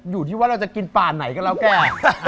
อยู่ที่ว่าเราจะกินป่าไหนก็แล้วแต่